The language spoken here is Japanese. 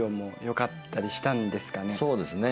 そうですね。